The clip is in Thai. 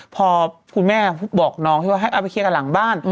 พอคุณแม่บอกน้องให้อ้าวไปเคียงกันหลังบ้าน